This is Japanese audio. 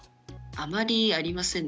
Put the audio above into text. あまりありませんね。